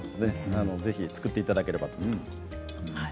ぜひ作っていただければ。